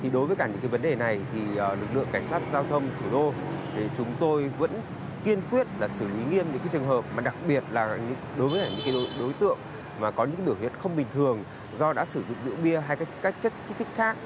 do đã sử dụng đũa bia hay các chất tích khác